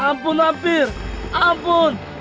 ampun lampir ampun